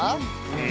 うん。